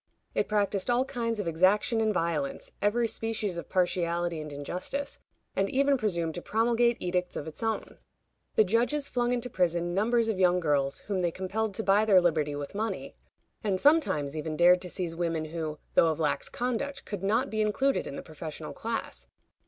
It practiced all kinds of exaction and violence, every species of partiality and injustice, and even presumed to promulgate edicts of its own. The judges flung into prison numbers of young girls, whom they compelled to buy their liberty with money, and sometimes even dared to seize women who, though of lax conduct, could not be included in the professional class.